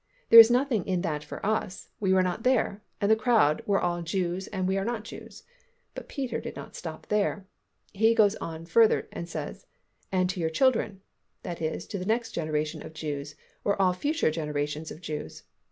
There is nothing in that for us. We were not there, and that crowd were all Jews and we are not Jews; but Peter did not stop there, he goes further and says, "And to your children," that is to the next generation of Jews, or all future generations of Jews.